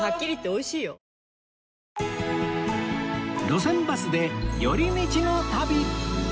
『路線バスで寄り道の旅』